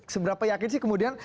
seberapa yakin sih kemudian